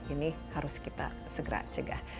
ini harus kita segera cegah